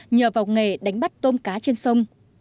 nhờ vào nghề đánh bắt tôm cá trên sông